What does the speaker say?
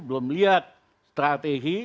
belum lihat strategi